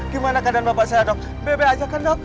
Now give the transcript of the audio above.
gimana keadaan bapak saya dok